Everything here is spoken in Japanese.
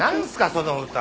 その歌。